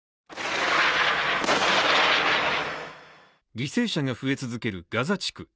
犠牲者が増え続けるガザ地区。